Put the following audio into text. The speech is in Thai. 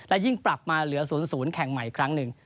และยิ่งปรับมาเหลือ๐๐แข่งใหม่อีกครั้งหนึ่ง